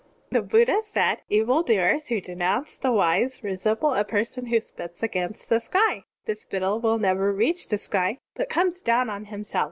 '" (8) The Buddha said: "Evil doers who de nounce the wise resemble a person who spits against the sky ; the spittle will never reach the sky, but comes down on himself.